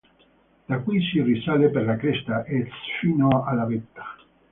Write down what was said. Da qui si risale per la cresta est fino alla vetta.